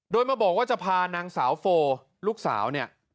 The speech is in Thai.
โดยมาบอกว่าจะพานางสาวโฟลูกสาวเนี่ย